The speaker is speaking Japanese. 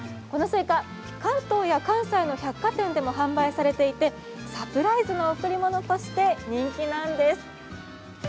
このスイカ、関東や関西の百貨店で販売されていてサプライズの贈り物として人気なんです。